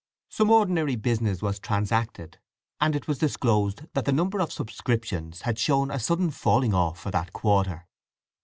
Some ordinary business was transacted, and it was disclosed that the number of subscriptions had shown a sudden falling off for that quarter.